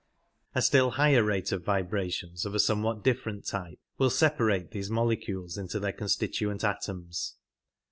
A still higher 92 rate of vibrations of a somewhat different type will separate these molecules into their constituent atoms.